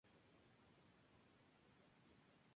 Algunas ventanas reflejan la inspiración gótica.